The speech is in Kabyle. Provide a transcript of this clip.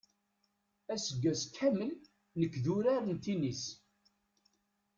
Aseggas kamel nekk d urar n tinis.